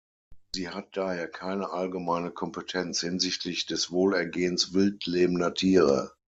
Sie hat daher keine allgemeine Kompetenz hinsichtlich des Wohlergehens wild lebender Tiere.